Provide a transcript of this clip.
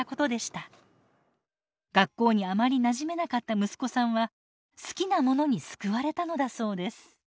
学校にあまりなじめなかった息子さんは好きなものに救われたのだそうです。